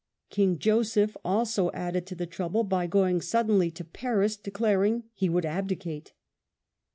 King Joseph also added to the trouble by going suddenly to Paris, de claring he would abdicate.